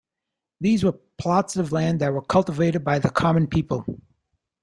These were plots of land that were cultivated by the common people.